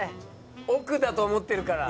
億だと思ってるから。